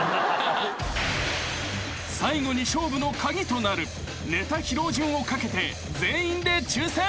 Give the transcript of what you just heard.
［最後に勝負の鍵となるネタ披露順を懸けて全員で抽選］